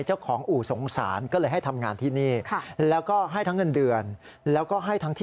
เจ้าของอู่สงสารก็เลยให้ทำงานที่นี่